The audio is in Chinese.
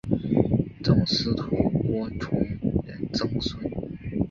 赠司徒郭崇仁曾孙。